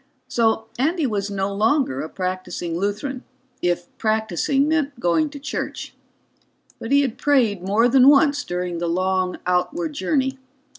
So Andy was no longer a practicing Lutheran, if practicing meant going to church. But he had prayed more than once during the long outward journey.